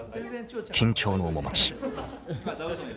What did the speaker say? ［緊張の面持ち］